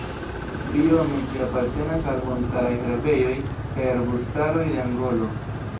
Biome ĝi apartenas al montaraj herbejoj kaj arbustaroj de Angolo.